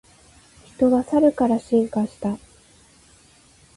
人はサルから進化した